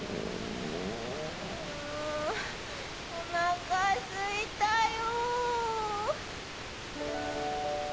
あおなかすいたよ。